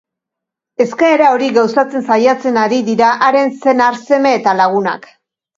Eskaera hori gauzatzen saiatzen ari dira haren senar, seme eta lagunak.